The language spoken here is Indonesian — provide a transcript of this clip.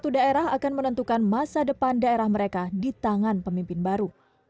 satu daerah akan menentukan masa depan daerah mereka di tangan pemimpin baru